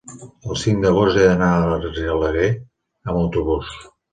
el cinc d'agost he d'anar a Argelaguer amb autobús.